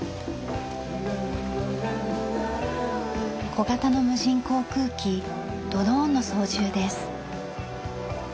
小型の無人航空機ドローンの操縦です。